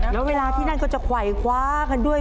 แล้วเวลาที่นั่นก็จะไขว่คว้ากันด้วย